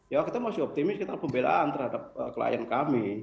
ya kita masih optimis kita pembelaan terhadap klien kami